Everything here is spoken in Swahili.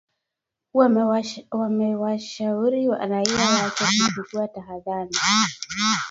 Wamewashauri raia wake kuchukua tahadhari